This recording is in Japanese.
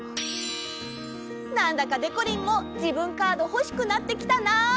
なんだかでこりんも自分カードほしくなってきたな！